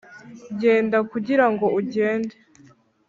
genda kugirango ugende